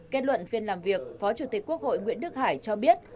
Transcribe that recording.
kết luận phiên làm việc phó chủ tịch quốc hội nguyễn đức hải cho biết